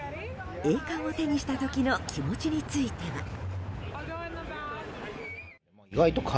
栄冠を手にした時の気持ちについては。